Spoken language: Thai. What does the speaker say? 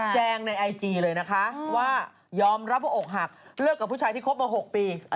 งในไอจีเลยนะคะว่ายอมรับว่าอกหักเลิกกับผู้ชายที่คบมา๖ปี